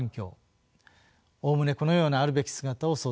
おおむねこのようなあるべき姿を想定しました。